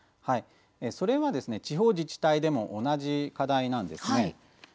それは地方自治体でも同じ課題なんですね。